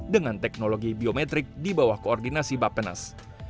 dengan teknologi biometrik di bawah koordinasi bapenas